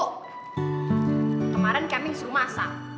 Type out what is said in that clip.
kemaren kaming suruh masak